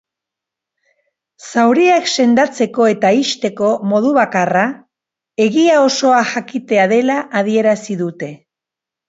Zauriak sendatzeko eta ixteko modu bakarra egia osoa jakitea dela adierazi dute.